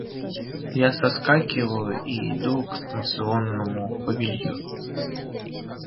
Я соскакиваю и иду к станционному павильону.